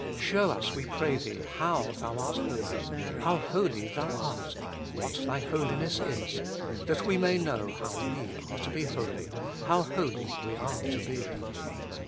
Show us, we pray Thee, how Thou art holy, how holy Thou art, what Thy holiness is, that we may know how we are to be holy, how holy we are to be.